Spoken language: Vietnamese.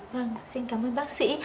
vâng xin cảm ơn bác sĩ